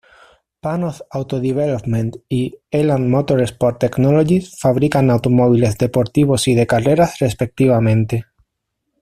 Panoz Auto Development y Élan Motorsport Technologies fabrican automóviles deportivos y de carreras respectivamente.